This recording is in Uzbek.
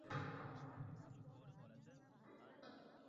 Ada, yangam bizni yomon ko`radi